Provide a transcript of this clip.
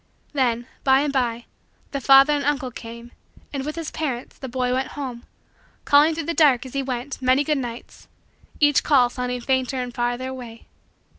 Then, by and by, the father and uncle came, and, with his parents, the boy went home, calling through the dark, as he went, many good nights each call sounding fainter and farther away.